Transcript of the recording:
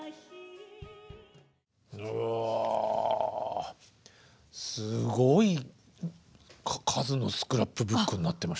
うわすごい数のスクラップブックになってましたね。